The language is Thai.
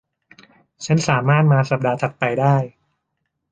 ฉันสามารถมาสัปดาห์ถัดไปได้